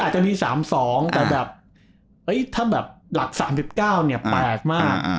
อาจจะมี๓๒แต่แบบถ้าแบบหลัก๓๙เนี่ยแปลกมาก